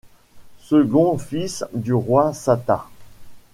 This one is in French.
Second fils du roi Satha.